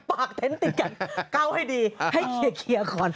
เต็นต์ติดกันเก้าให้ดีให้เคลียร์ก่อน